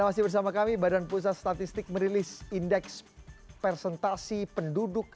masih bersama kami badan pusat statistik merilis indeks presentasi penduduk